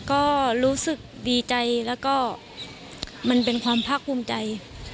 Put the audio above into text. ก็รู้สึกดีใจแล้วก็มันเป็นความภาคภูมิใจ